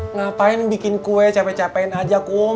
ngapain bikin kue capek capek aja kum